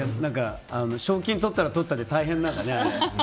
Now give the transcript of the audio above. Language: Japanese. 賞金とったらとったで大変なんだね。